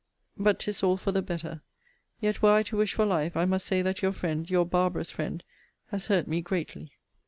but 'tis all for the better. Yet were I to wish for life, I must say that your friend, your barbarous friend, has hurt me greatly.